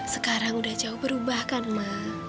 sekarang udah jauh berubah kan mah